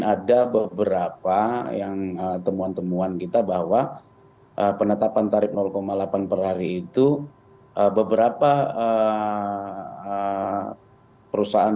dan ada beberapa yang temuan temuan kita bahwa penetapan tarif delapan per hari itu beberapa perusahaan